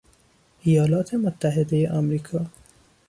ایالات متحده آمریکا